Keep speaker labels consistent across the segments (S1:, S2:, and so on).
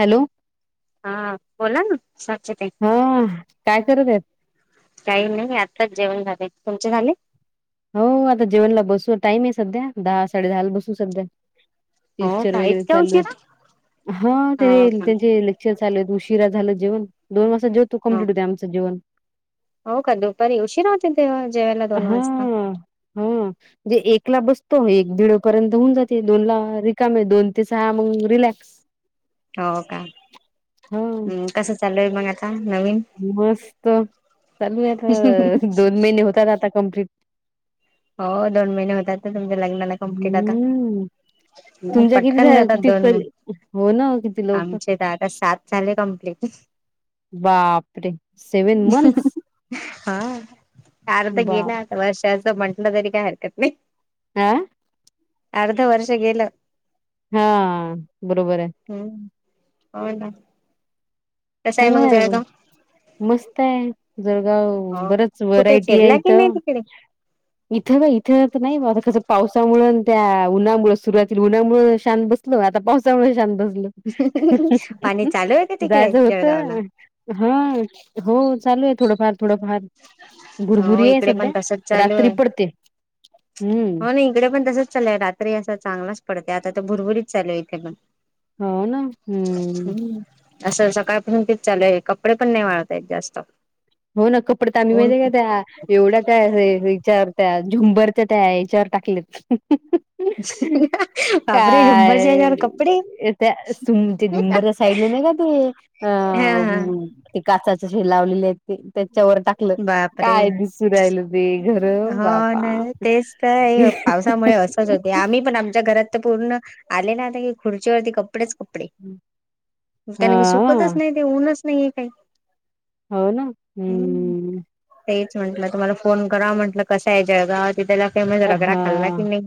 S1: Hello!
S2: हा बोला ना. साक्षीताई
S1: हा, काय करत आहेत?
S2: काही नाही आत्ताच जेवण झालंय, तुमचे झाले?
S1: हो हो, आता जेवणला बसू टाईम आहे सध्या, दहा साडे दहा ला बसू सध्या.
S2: हो
S1: लेक्चर
S2: का
S1: वगैरे
S2: इतक्या
S1: चालू
S2: उशीरा
S1: आहेत, हा
S2: हो
S1: ते
S2: का
S1: त्यांचे लेक्चर च चालूयत, उशिरा झालं जेवण, दोन वाजता जेवतो,
S2: हो
S1: कम्प्लीट होतेय आमचं जेवण.
S2: हो का? दुपारी उशीरा तुमच्या जेवायला दोन वाजता
S1: हम्म हम्म, म्हणजे एकला बसतो एक दीड पर्यंत होऊन जाते, दोन ला रिकामे दोन ते सहा मग रिलॅक्स.
S2: हो का?
S1: हा
S2: हम्म कसं चालूय मग आता? नवीन
S1: मस्त, चालू आहे आता दोन महिने होत आलं आता कंप्लीट.
S2: हो दोन महिने होतात तर तुमच्या लग्नाला कंप्लीट आता.
S1: हम्म तुमच्या किती
S2: पटकन
S1: झा
S2: जातात
S1: किती
S2: दोन
S1: क
S2: महि,
S1: हो ना किती लोक
S2: आमचे तर आता सात झाले का प्लेट.
S1: बापरे! सेवन मंथस.
S2: आर्ध गेला आता वर्षाचं म्हंटलं तरी काय हरकत नाही.
S1: हं.
S2: अर्ध वर्ष गेलं.
S1: हा, बरोबर आहे.
S2: हम्म हो ना. कसं आहे मग
S1: चांगलाय आरं,
S2: जळगाव
S1: मस्त आहे. जळगाव
S2: हो का
S1: बरंच
S2: कुठे
S1: व्हरायटी आहे
S2: फिरला की नाही
S1: इथं.
S2: तिकडे
S1: इथं नाय, इथं‌ आता कसं [unintelligible] पावसामुळं अन त्या उन्हामुळं सुरुवातीला उन्हामुळं शांत बसलो, आता पावसामुळे शांत बस
S2: पाणी चालू आहे का तिकडे
S1: जायच हो त
S2: जळगावला?
S1: हा हो, चालूय थोडंफार थोडंफा
S2: हो
S1: भुरभुरी आहे
S2: इकडे
S1: सध्या,
S2: पण तसच चालू
S1: रात्री
S2: आहे.
S1: पडते. हम्म
S2: हो ना, इकडे पण तसंच चाललंय रात्री असा चांगलाच पडतंय, आता तर भुरभुरीच चालू आहे इथे पण.
S1: हो ना हम्म.
S2: हम्म असं सकाळपासून तेच चालू आहे कपडे पण नाही वाळतयत जास्त.
S1: हो ना कपड त आ्ही
S2: ऊन
S1: माहितीे काय त्या एवढा त्या विचार त्या झुंबरच्या त्या याच्यावर टाकलेत.
S2: बापरे झुंबरच्याजवर
S1: काय
S2: कपडे.
S1: त्या झुंबरच्या
S2: हा
S1: साईडला नाही का ते
S2: हा
S1: अ ते काच लावलेले आहेत. त्याच्यावर टाकलं
S2: बापरे.
S1: काय दिसू राहिलं ते घर
S2: हो
S1: बापा.
S2: ना तेच तर पावसामुळे असच होते आम्ही पण आमच्या घरात तर पूर्ण आले ना आता की खुर्चीवरती कप कडेच कपडे त्याना
S1: हा
S2: सुकतच नाही ते ऊनच नाही आहे काही.
S1: हो ना हम्म.
S2: तेच म्हंटलं तुम्हाला फोन करा म्हटलं कसं आहे, जळगाव ति त्याला फेमस रगडा खाल्ला
S1: हा.
S2: की नाही?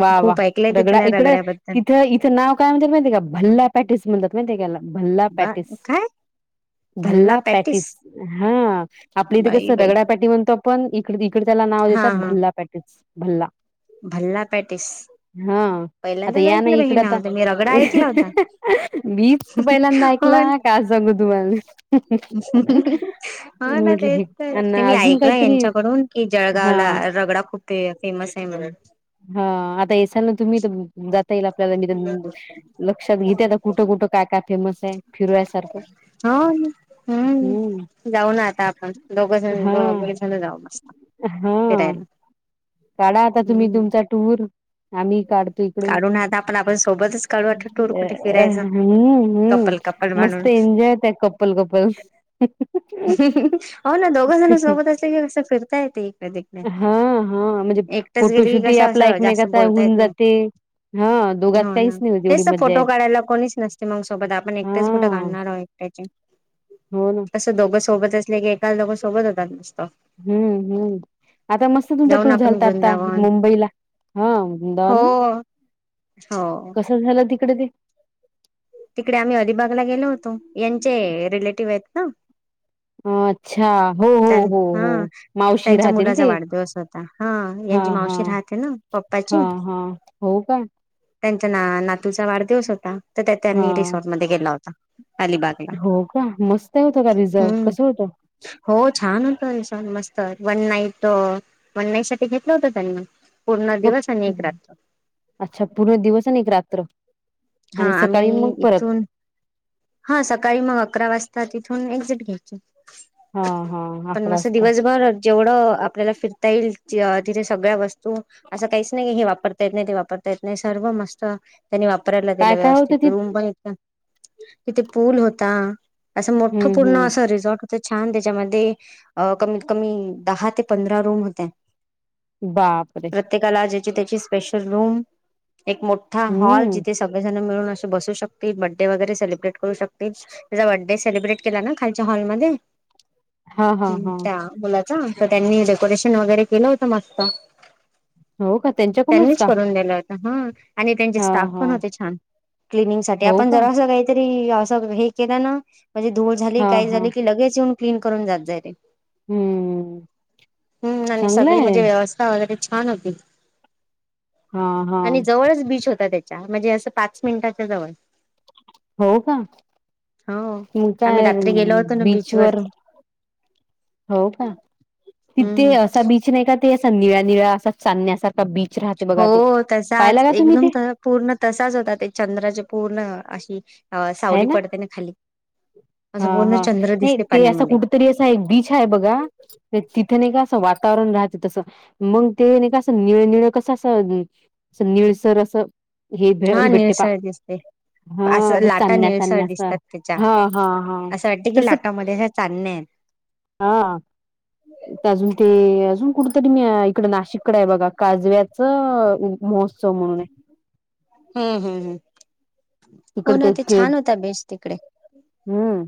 S1: वा वा
S2: खूप ऐकलंय
S1: रगडा
S2: तिथल्या
S1: इकड
S2: रगड्याबद्दल
S1: तिथं इथं नाव काय म्हणत माहिती का भल्ला पॅटेस म्हणतात माहिती त्याला. भल्ला
S2: बा
S1: पॅटिस.
S2: काय
S1: भल्ला पॅटीस हा आपली इथे
S2: बाई
S1: कसं
S2: बाई
S1: दगडा पॅटी म्हणतो आपण इकड इडे त्याला नाव
S2: हा
S1: देतात
S2: हा
S1: भल्ला पॅटिस भल्ला.
S2: भल्ला पॅटीस.
S1: हा आता या ना इकडंता
S2: रगडा ऐकला होता
S1: बीच पहिल्यांदा ऐकला काज गु तुम.
S2: हा ना
S1: म्हटलं
S2: तेच
S1: हे
S2: तर
S1: अ
S2: तेमी
S1: अजून
S2: ऐकलं
S1: काहीतरी
S2: यांच्याकडून कि जळगावला
S1: हा
S2: रगडा खूप ते फेमस आहे म्हणून.
S1: हा आता येसाल ना तुम्ही तर ज येईल आपल्याला लक्षात घेतेता कुठं कुठं काय काय फेमस आहे फिरूया सारखं.
S2: हो हम्म जाऊ ना आता आपण दोघ जण
S1: हा
S2: द जण जाऊ मस्त.
S1: हा
S2: फिरायला
S1: काढा आता तुम्ही
S2: हम्म
S1: तुमचा टूर आम्ही काढ तिकडे
S2: काढू ना आता आपण आपण सोबतच काढू आता टूर कुठे फिरायचा
S1: हम्म हम्म
S2: कपल कपल
S1: मस्त.
S2: म्हणून
S1: एंजॉयत कपल कपल.
S2: हो ना दोघं जण सोबत असले [inaudible]
S1: हा हा म्हणजे
S2: एकटच गेली की
S1: फोटोशूट ह
S2: कसं
S1: आपला
S2: असं जास्त
S1: एकमेकाचा
S2: बोलता
S1: होऊन
S2: येत नाही
S1: जाते. हा दोघात
S2: हो ना
S1: काहीच नाही होत एवढी
S2: तेच तर
S1: मज्जा
S2: फोटो
S1: येत
S2: काढायला कोणीच नसते मग सोबत आपण
S1: हा
S2: एकटेच कुठे काढणार आो काचे.
S1: हो ना.
S2: सोबत असले क एका लोक सोबतात मत
S1: हम्म हम्म आता मस्त तुमचा
S2: जाऊन
S1: टूर
S2: आपण
S1: झालत आता
S2: वृंदावन
S1: मुंबईला ह.
S2: हो हो
S1: कस झालं तिकडे ते.
S2: तिकडे आम्ही अलिबागला गेलो होतो यांचे रिलेटिव्ह आहेत ना.
S1: ह अच्छा. अच्छा हो हो
S2: त्यां
S1: हो हो
S2: हा
S1: मावशी
S2: त्यांच्या
S1: राहते
S2: मुलाचा
S1: ते
S2: वाढदिवस होता हा
S1: हा
S2: यांची
S1: हा.
S2: मावशी राहते ना
S1: हा
S2: पप्पाची
S1: हा हो का?
S2: त्यांच्या ना नातूचा वाढदिवस होता तर त्या त्यांनी
S1: हां.
S2: रिसॉर्टमध्ये केला होता. अलिबागला
S1: हो का मस्त होत का रिझल्ट
S2: हम्म
S1: कसं होत?
S2: हो छान होत सन मस्त वन नाईट वन नाईट साठी घेतलं होत त्यांनी. पूर्ण दिवस आणि
S1: फक्
S2: एक रात्र
S1: अच्छा पूर्ण दिवस आणि एक रात्र.
S2: हा
S1: आणि सकाळी मग
S2: आम्ही
S1: परत.
S2: इथून हा सकाळी मग अकरा वाजता तिथून एक्झिट घ्यायची.
S1: हां, हां.
S2: पण मस
S1: वाजता.
S2: दिवसभर जेवढं आपल्याला फिरता येईल तिथे सगळ्या वस्तू असं काहीच नाही की हे वापरता येत नाही ते वापरता येत नाही सर्व मस्त. त्यांनी वापरायला दिला
S1: काय काय होतं
S2: व्यवस्थित
S1: तिथं?
S2: रूम पण येत तिथ पूल होता असं मोठं
S1: हं,
S2: पूर्ण
S1: हं.
S2: असं रिझॉर्ट. तर छान त्याच्यामध्ये अ कमीत कमी दहा ते पंधरा रूम होते.
S1: बापरे
S2: ती त्याच्या स्पेशल रूम एक मोठा हॉल
S1: हं.
S2: जिथे सगळे मिळून बसूकत बडडे वगैरेलिब्रे करू शकते त्याचा बर्थडे सेलिब्रेट केला ना खालच्या हॉलमध्ये
S1: हां, हां,
S2: हम्म
S1: हां.
S2: त्या मुला तर त्यांनी डेकोरेशन वगैरे केलं होत मस्त
S1: हो का त्यांच्याकूनच
S2: त्यांनीच
S1: का
S2: करून दिलं हा आणि त्यांचे स्टाफ
S1: हां,
S2: पण
S1: हां.
S2: होते छान क्लिनिंग साठी
S1: हो
S2: आपण
S1: का?
S2: जरा असं का असं हे केला ना म्हणजे धूळ झाली
S1: हां,
S2: काही
S1: हां.
S2: झाली की लगेच येऊन क्लीन करून जात जाय रे
S1: हम्म
S2: हम्म आणि सगळी
S1: चांगलंय
S2: म्हणजे व्यवस्था वगैरे छान होती
S1: हा हा
S2: आणि जवळच बीच होता त्याच्या म्हणजे असं पाच मिनिटाच्या जवळ
S1: हो का
S2: हो.
S1: मग
S2: आम्ही
S1: काय
S2: रात्री गेलो होतो ना
S1: बीचवरर
S2: बीचवररती
S1: हो का तिथे
S2: हम्म.
S1: असा बीच नाही का ते अस निळ्या निळ्या असा चाण्या अस
S2: हो तसाच
S1: तुम्ही
S2: एकदम
S1: ते
S2: पूर्ण तसाच होता ते चंद्राचे पूर्ण अ सावली पडते ना खाली
S1: हा
S2: असं पूर्ण
S1: हा
S2: चंद्र
S1: नाही
S2: दिसते
S1: ते असं
S2: पाण्यामध्ये
S1: कुठ तरी असा एक बीच आहे बघा तिथे नाही का अस वातावरण राहते तसं मग ते नाही का असं निळनळ कसं असं निळसर असं ही ब
S2: हा
S1: हीबे्टेपा
S2: निळसळ दिसते.
S1: हा
S2: असं
S1: ह
S2: लाटा निळसळ दिसतात त्याच्या
S1: ह
S2: असं वाटते की
S1: त
S2: लाटामध्ये अशा चांदण्या आहेत.
S1: हा अजून ते अजून कुठ तरी मी इकड नाशिककडे आहे बघा काजव्याच महोत्सव म्हणून आहे
S2: हम्म हम्म हम् हो
S1: तिकड
S2: ना ते
S1: के
S2: छान होता बेस तिकडे
S1: हम्म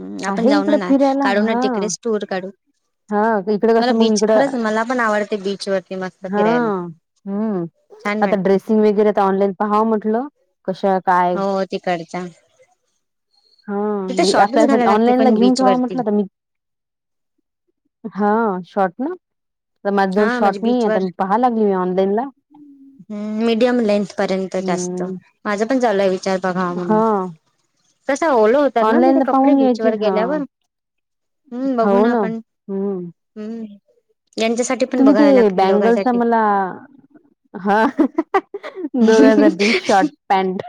S2: हम् आपण
S1: आहे
S2: जाऊन
S1: इकड
S2: ना
S1: फिरायला
S2: काढू ना
S1: हा
S2: तिकडेच टूर काढू
S1: हा इकडे
S2: मला
S1: कसं मग
S2: बीच
S1: इकडं
S2: खरंच मला पण आवडते बीच वरती मस्त
S1: हा
S2: फिरायला
S1: हम्म
S2: छान
S1: आता
S2: वाटते
S1: ड्रेसिंग वगैरे तर ऑनलाईन पहावं म्हटलं कशा काय
S2: हो तिकडच्या
S1: हा म्हणजे अप्लायसाठी ऑनलाईनला
S2: पण
S1: घेऊन
S2: बीच
S1: ठेवा
S2: वरती
S1: म्हटलं तर मी हा शर्ट ना तर माझा जवळ
S2: हा
S1: शॉर्ट
S2: म्हणजे
S1: नाही आहे तर मी पहा लागली मी ऑनलाईन ला
S2: ह् मीडियम लेंथ पर्यंत जा असत
S1: हम्म
S2: माझ पण लय विचार बघा म्हणून
S1: हा
S2: तसा ओल होत ना तिथे
S1: ऑनलाईनला
S2: कपडे
S1: पाहून घ्यायची
S2: बीचवर
S1: हा
S2: गेल्यावर हम्म बघू
S1: हो
S2: ना आपण
S1: हम्म
S2: हम्म जच्या
S1: तुम्ही ते बँगलचा मला हा दोघांसाठी शॉर्ट पॅन्ट.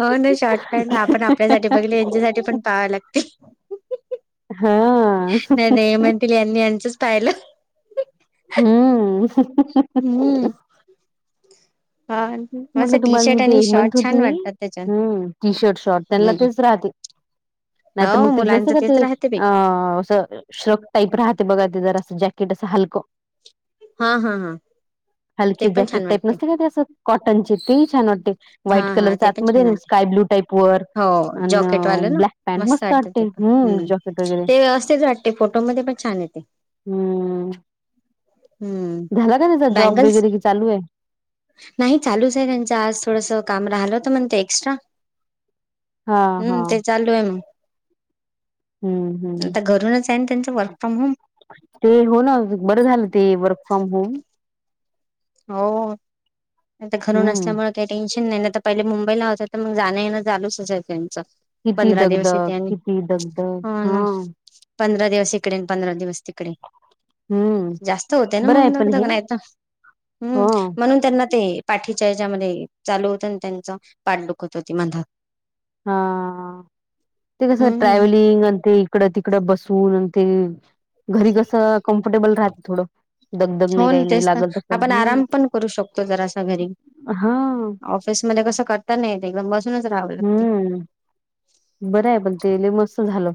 S2: हो ना शॉर्टक आपण आपल्यासाठीठी बघले त्यांसाठी पण पाहा लागतील
S1: हा.
S2: नाही नाही म्हणतील यांनी यांचंच पाहिलं
S1: हम्म
S2: हम्म हा मस्त
S1: म्हटलं
S2: टी
S1: तुम्हाला मी
S2: शर्ट
S1: ते
S2: आणि शॉर्ट
S1: म्हणत होती
S2: छान
S1: मी
S2: वाटतात त्याच्यात
S1: हम् टी शर्ट शॉर्ट त्यांना
S2: हम्म
S1: तेच राहते [inaudible] नाहीत मग
S2: हो
S1: ते नसे
S2: मुलांच
S1: का ते
S2: तेच राहते बाई
S1: अ असं श्रक टाईप राहते बघा ते जर असं जॅ ेट अस हलकं
S2: हा हा हा ते
S1: हलके
S2: पण छान
S1: जॅकेट टाईप
S2: वाटते
S1: नसते का ते असं टंचीिती छान वाट्टे
S2: हा
S1: व्हाईट
S2: हा
S1: कलरच
S2: ते पण छान
S1: आतमध्येध्ये
S2: वाटते
S1: स्काय ब्लू टाईप वर
S2: हो
S1: अन
S2: जॉकेटवालं ना
S1: ब्लॅक पॅन्ट मस्त
S2: वाटतं ते
S1: वाटते
S2: हम्म
S1: जॉकेट वगैरे
S2: ते असेच वाटते फोटोमध्येध्ये पण छान येते
S1: हम्म
S2: हम्म
S1: झाला का त्याचा जॉब
S2: बँगल्स
S1: वगैरे कि चालू आहे
S2: नाही चालूच आहे त्यांच आज थोडस काम राहिलं होत म्हण ते एक्स्ट्रा
S1: हां,
S2: हम्म ते चालू आहे मग
S1: हम्म हम्म
S2: त्यानी त्यांं ब
S1: ते हो ना बरं झालं ते वर्क फ्रॉम होम
S2: हो आता घरून
S1: हं.
S2: असल्यामुळे काही टेन्शन नाही तर पहिले मुंबईला होता तर मग जाण यें लचं
S1: किती
S2: पंधरा दिवस येते
S1: दगदग,
S2: आणि
S1: किती दगदग.
S2: हो ना
S1: हां.
S2: पंधरा दिवस इकडे पंधरा दिवस तिकडे
S1: हं.
S2: जास्त होते ना
S1: बरं
S2: मग
S1: आहे
S2: दग
S1: पण
S2: दग
S1: हे.
S2: नाही तर हम्म
S1: हं,
S2: म्हणून त्यांना ते पाठीच्या हच्यामध्ये चालू होत आणि त्यांच पाडदुख होत होती मंधक
S1: हा ते कस
S2: हम्म
S1: ट्रॅव्हलिंग ते इकडं तिकडं बसून ते घरी कस कम्फर्टेबल राहत थोडं दगदग
S2: हो
S1: नाही,
S2: ना
S1: काही नाही
S2: तेच तर
S1: लागल तसं.
S2: आपण
S1: हं.
S2: आराम पण करू शकतो जरा अस घरी
S1: हां.
S2: ऑफिसमध्येध्ये कसं करता नाही एकदम बसूनच राहल
S1: हम्म बरं आहे पण तेल मस्त झाल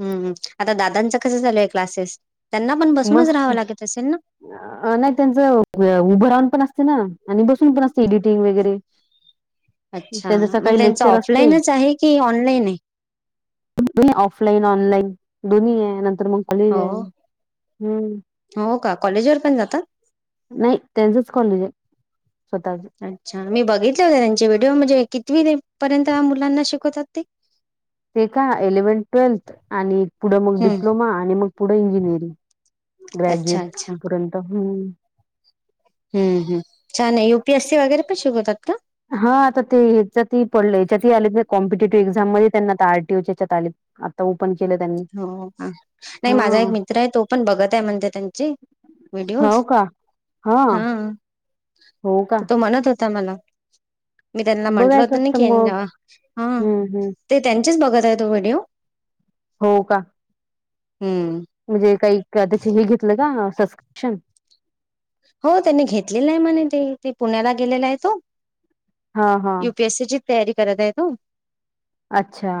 S2: हम्म आता दादांच कसं झालय क्लासेस त्यांना पण बसूनच
S1: मस्त
S2: राहावं लागत असेल ना
S1: नाही त्यांचं उभं राहून पण असते ना आणि बसून पण असते एडिटिंग वगैरे
S2: अच्छा
S1: त्यांच
S2: मग
S1: सकाळी
S2: त्यांचा
S1: लेक्चर
S2: ऑफलाईनच आहे की ऑनलाईन आहे
S1: द ऑफलाईन ऑनलाईन दोन्ही आहे नंतर मग कॉलेज
S2: हो
S1: आहे हम्म
S2: हो का कॉलेज वर पण जातात
S1: नाही त्यांचच कॉलेज आहे स्वतःच
S2: अच्छा मी बघितले होते त्यांचे व्हिडिओ म्हणजे किितती पर्यंत मुलांना शिकवतात ते
S1: ते का इलेव्हनथ ट्वेल्थ आणि पुढं मग
S2: हम्म
S1: डिप्लोमा आणि मग पुढं इंजिनिअरिंग
S2: अच्छा
S1: ग्रॅज्युएट
S2: अच्छा
S1: पर्यंत हम्म
S2: हम् हम छान आहे युपीएस सी वगैरे पण शिकवतात का
S1: हा आता ते्याच्यात पडलं याच्यातही आलेत नाही कॉम्पिटेटिव्ह एक्झाम मध्ये त्यांना आ आरटीओच्यात आले आता केलं त्यांनी
S2: हो नाही
S1: हा
S2: माझा एक मित्र आहे तो पण बघत आहे म्हणते त्यांची
S1: हो का
S2: हा
S1: हो का
S2: तो म्हणत होता मला मी त्यांना म्हंटल होत
S1: बघायचं
S2: नाी
S1: असतं मग हम्म हम्म
S2: ते त्यां बघत आहे तो व्हिडिओ
S1: हो का
S2: हम्म
S1: म्हणजे काही त्याचे हे घेतलं का सबस्क्रिप्शन
S2: हो त्यांनी घेतलेलं आहे म्हणे ते ते पुण्याला गेलेला आहे तो
S1: हां, हां.
S2: यूपीएससीची तयारी करत आहे तो
S1: अच्छा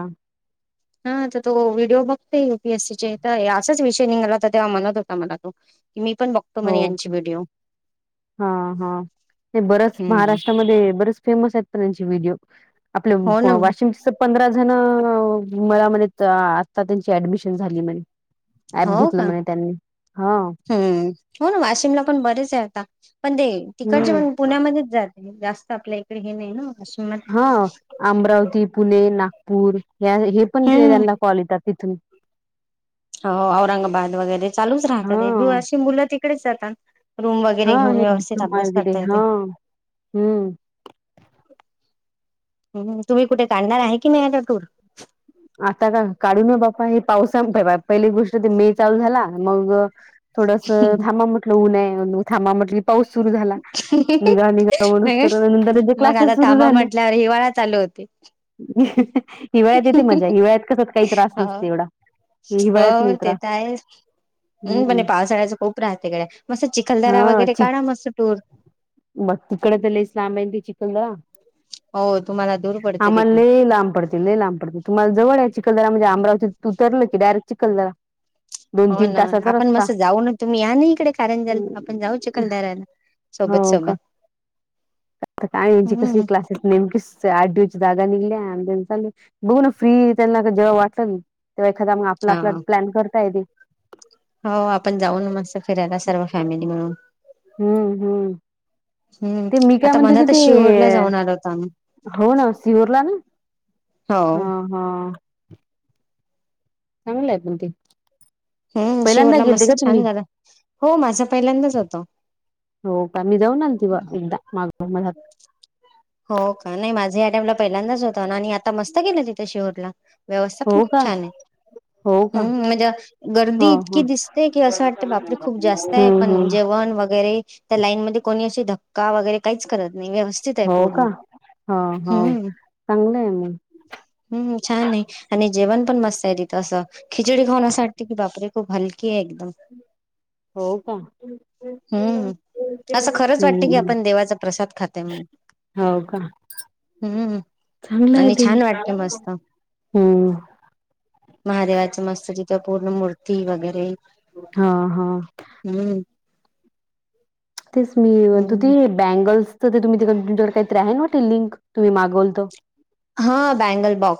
S2: हा तर तो व्हिडिओ बघतेय युपीएससीचे तर असाच विषय निघाला तर तेव्हा म्हणत होता मला तो मी पण बघतो म्हणे यांची व्हिडिओ
S1: हा हा ते बरच
S2: हम्म
S1: महाराष्ट्रामध्ये बरच फेमस आहेत प त्यांचे व्हिडओ आपलं
S2: हो ना
S1: वाशम पंधरा जण मला म्हण आता त्यांची ऍडमिशन झाली म्हणे
S2: हो
S1: ॲप
S2: का
S1: घेतलं म्हणे त्यांनी हा
S2: हम्म हो ना वाशिमला पण बरेच आहे आता पण ते तिकडचे
S1: हं.
S2: पण पुण्यामध्येच जर जास्त आपल्या इकडे हे नाही ना वाशिममध्ये
S1: हा अमरावती पुणे नागपूर हे पण ते
S2: हम्म
S1: त्यांना कॉल येतात इथून
S2: हो औरंगाबाद वगैरे चालूच राहतात [inaudible] अशी मुलं तिकडेच जातात रूम
S1: हा
S2: वगैरे घेऊन
S1: हा
S2: व्यवस्थित
S1: डिप्लोमा
S2: अभ्यास
S1: वगैरे
S2: करता
S1: हा
S2: येते
S1: हम्म [unintelligible]
S2: हम्म तुम्ही कुठे काढणार आहे की नाहीे आता टूर
S1: आता का काढू ना बाप्पा हे पावसा पहिली गोष्ट ते मे चालू झाला मग थोडस थांबा म्हटलं ऊन आहे. म थांबा म्हटली पाऊस सुरू झाला. निघा निघाव म्हणूस तर नंतर याचे क्लासेस सुरू झाले
S2: ते
S1: हिवाळे मजा हिवाळ्यात कसत काही त्रास
S2: हो
S1: नसते एवढा हिवाळ्यात नाहीत त्रास
S2: हम्
S1: हम्म
S2: पणे पावसाळ्याचं खूप त्रास तिकड मस्त चिलदारा वगैरे काढा मस्त टूर
S1: मगं तिकडे तर लय लांब हाय चिखलदरा
S2: हो तुम्हाला दूर पडते
S1: आमलां
S2: तिकून
S1: लई लांब पडतंय लई लांब पडती जवळ आहे चिखलदरा म्हणजे अमरावती उतर की डायरेक्ट चिखलदरा दोन
S2: हो
S1: तीन
S2: ना
S1: तासाचा
S2: आपण
S1: रस्ता
S2: मस् जाऊ ना तुम्ही या ना इकडे कारंजाला आपण जाऊ चिखलदारला सोबत
S1: हो का
S2: सोबत
S1: काय यांची कसली
S2: हम्म
S1: क्लास नेमकीच आठ दिवची जागा निघल्या चा बघू ना फ्री त्यांना जेव्हा वाटलं ना तेव्हा एखादा मग आपला
S2: हा
S1: आपला प्लॅन करता येते
S2: हो आपण जाऊन ना मस्त फिरायला सर्व फॅमिली मिळून
S1: हम्म हम्म
S2: हम्म
S1: ते मी काय
S2: आता
S1: म्हणतो
S2: म्हणा
S1: त
S2: तर
S1: ते
S2: शिहोरला जाऊन आलो होतो आम्ही
S1: हो ना सिहोरला ना
S2: हो
S1: हा हा चांगलंय पण ते
S2: हम्म शिहोर
S1: पहिल्यांदा
S2: ला
S1: गेलते का
S2: मस्त
S1: तुम्ही
S2: छान झाला हो माझा पहिल्यांदाच होत
S1: हो का मी जाऊन आलंती बा एकदा माग
S2: हो का नाही माझा या टाइमला पहिल्यांदाच होता ना आणि आता मस्त केलय तिथं शिहोरला व्यवस्था पण
S1: हो
S2: खूप
S1: का
S2: छान आहे
S1: हो का
S2: हम्म म्हणजे
S1: ह
S2: गर्दी
S1: ह
S2: इतकी दिसते की असं वाटते बापरे खूप जास्त आहे
S1: हम्म
S2: पण
S1: हम्म
S2: जेवण वर वगैरे त्या लाईन मध्ये कोणी असशी धक्का वगैरे काहीच करत व्यवस्थित आहे
S1: हो का
S2: पूर्ण
S1: ह हो
S2: हम्म
S1: चांगलं आहे मग
S2: हम् छान आहे आणि जेवण पण मस्त आहे तिथं असं खिचडी खाण्यासाठी की बापरे खूप हली
S1: हो का
S2: हम्म असं खरंच वाटते की
S1: हम्म
S2: आपण देवाचा प्रसाद खातय म्हणून
S1: हो का
S2: हम्म
S1: चांगलं आहे
S2: आणि
S1: ते
S2: छान वाटते मस्त
S1: हम्म
S2: महादेवाच्या मस्तुरीत् पूर्ण मूर्ती ती वगैरे
S1: हा हा
S2: हम्म
S1: तेच मी म्हणत
S2: हम्म
S1: होती बँगल्सच ते तुम्ही तुमच्या तिक तुमच्याकडे काहीतरी आहे ना ते लिंक तुम्ही मागवलत
S2: हा बँगल बॉक्स